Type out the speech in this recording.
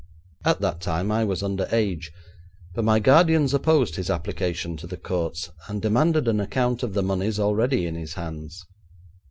At that time I was under age, but my guardians opposed his application to the courts, and demanded an account of the moneys already in his hands.